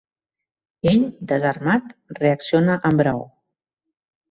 Ell, desarmat, reacciona amb braó.